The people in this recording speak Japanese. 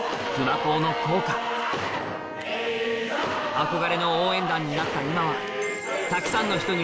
憧れの応援団になった今はたくさんの人に